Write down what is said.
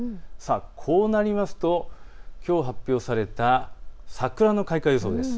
こうなるときょう発表された桜の開花予想です。